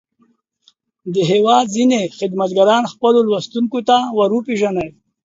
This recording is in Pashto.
د هېواد ځينې خدمتګاران خپلو لوستونکو ته ور وپېژني.